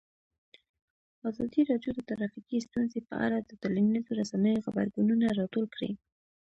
ازادي راډیو د ټرافیکي ستونزې په اړه د ټولنیزو رسنیو غبرګونونه راټول کړي.